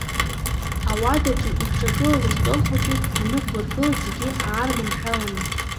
Ауадаҿы икҿагылаз астол хәыҷы инықәлыргылеит зегьы аарманшәаланы.